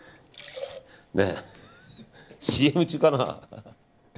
ねえ、ＣＭ中かな？